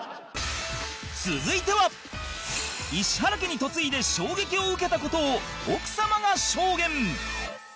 続いては石原家に嫁いで衝撃を受けた事を奥様が証言！